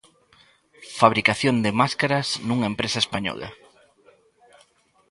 Fabricación de máscaras nunha empresa española.